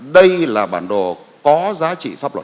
đây là bản đồ có giá trị pháp luật